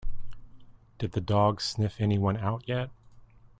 Did the dog sniff anyone out yet?